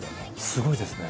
すごいですね。